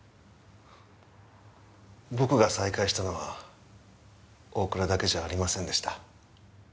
僕が再会したのは大倉だけじゃありませんでした。